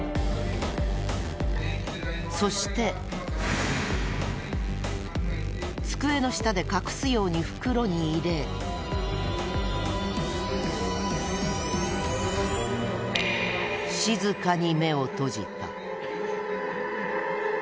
そして机の下で隠すように袋に入れ静かに目を閉じた。